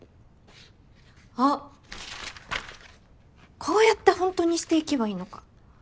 あっこうやってほんとにしていけばいいのか。